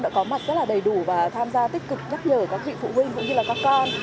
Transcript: đã có mặt rất là đầy đủ và tham gia tích cực nhắc nhở các vị phụ huynh cũng như là các con